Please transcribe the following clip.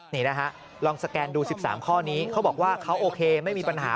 นี่นะฮะลองสแกนดู๑๓ข้อนี้เขาบอกว่าเขาโอเคไม่มีปัญหา